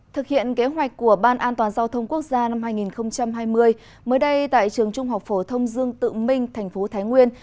thực hiện kế hoạch của ban an toàn giao thông quốc gia năm hai nghìn hai mươi mới đây tại trường trung học phổ thông dương tự minh thành phố thái nguyên